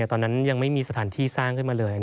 ตอนนั้นยังไม่มีสถานที่สร้างขึ้นมาเลย